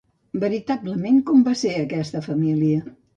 Veritablement com va ser aquesta família?